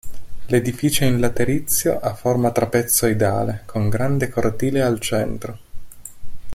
L'edificio in laterizio ha forma trapezoidale con grande cortile al centro.